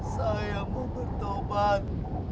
saya mau bertobat